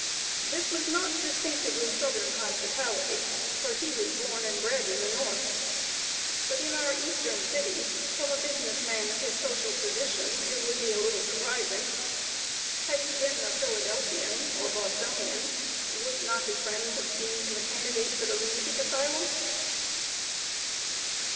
This was not distinctively southern hospitality, for he was born and bred at the North. But in our eastern cities, from a business man in his social position, it would appear a little surprising. Had he been a Philadelphian or Bostonian, would not his friends have deemed him a candidate for a lunatic asylum?